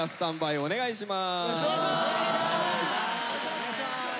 お願いします。